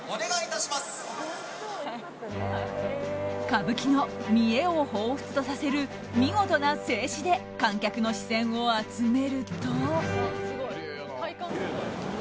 歌舞伎の見得を彷彿とさせる見事な静止で観客の視線を集めると。